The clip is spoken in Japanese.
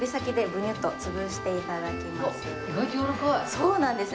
そうなんです。